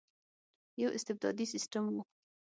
یو استبدادي سسټم وو.